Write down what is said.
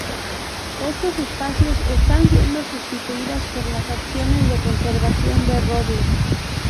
Estos espacios están siendo sustituidas por las acciones de conservación de roble.